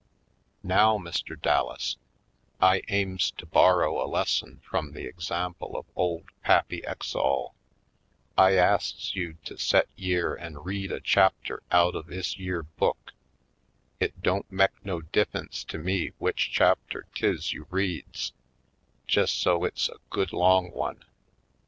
"Now, Mr. Dallas, I aims to borrow a lesson frum the example of ole Pappy Ex all. I asts you to set yere an' read a chap ter out of 'is yere book. It don't mek no diff'ence to me w'ich chapter 'tis you reads, jes' so it's a good long one.